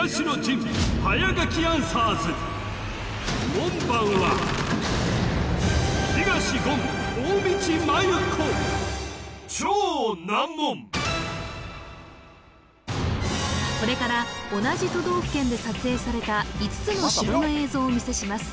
門番はこれから同じ都道府県で撮影された５つの城の映像をお見せします